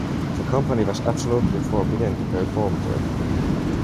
The company was absolutely forbidden to perform there.